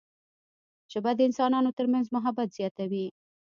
ژبه د انسانانو ترمنځ محبت زیاتوي